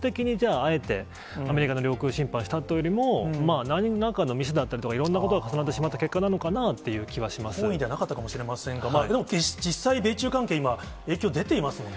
あえて、アメリカの領空侵犯したというよりも、なんらかのミスだったりとか、いろいろなことが重なってしまった結果なのかなっていう気は本意ではなかったかもしれませんが、でも実際、米中関係、今、影響出ていますもんね。